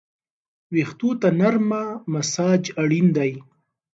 ویښتو ته نرمه مساج اړین دی.